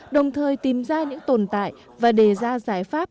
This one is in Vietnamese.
đồng thời tìm ra những tồn tại và đề ra giải pháp